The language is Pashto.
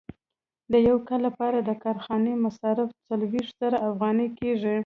د یو کال لپاره د کارخانې مصارف څلوېښت زره افغانۍ کېږي